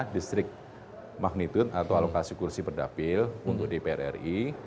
distrik magnitude atau alokasi kursi perdapil untuk dpr ri